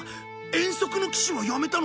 「遠足の騎士」はやめたのか？